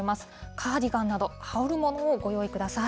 カーディガンなど、羽織るものをご用意ください。